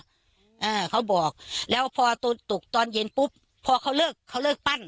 อ่าเขาบอกแล้วพอตอนตกตอนเย็นปุ๊บพอเขาเลิกเขาเลิกปั้น